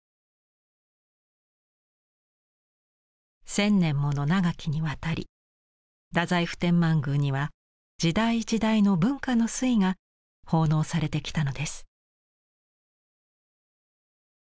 千年もの長きにわたり太宰府天満宮には時代時代の文化の粋が奉納されてきたのです。